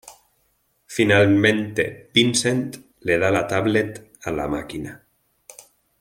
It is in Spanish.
Finalmente Vincent le da la tablet a la máquina.